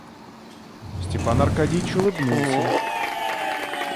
Степан Аркадьич улыбнулся.